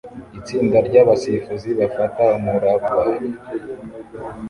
itsinda ryabasifuzi bafata umuraba